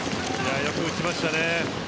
よく打ちましたね。